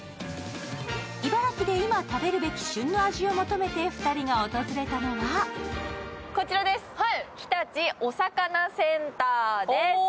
茨城で今食べるべき旬の味を求めて２人が訪れたのはこちらです、日立おさかなセンターです。